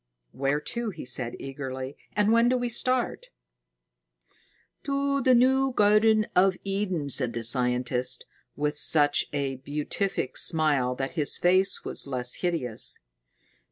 _" "Where to," he said eagerly; "and when do we start?" "To the new Garden of Eden," said the scientist, with such a beatific smile that his face was less hideous.